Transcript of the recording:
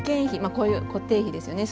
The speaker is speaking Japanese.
こういう固定費ですよね。